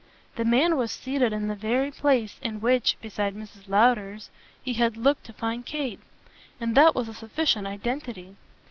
The man was seated in the very place in which, beside Mrs. Lowder's, he had looked to find Kate, and that was a sufficient identity.